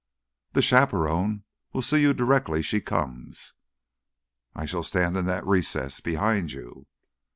"The chaperone will see you directly she comes " "I shall stand in that recess. Behind you."